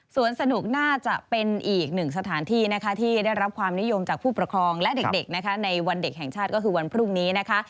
สนุกน่าจะเป็นอีกหนึ่งสถานที่นะคะที่ได้รับความนิยมจากผู้ปกครองและเด็กนะคะในวันเด็กแห่งชาติก็คือวันพรุ่งนี้นะคะ